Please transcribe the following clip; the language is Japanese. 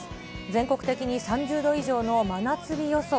全国的に３０度以上の真夏日予想。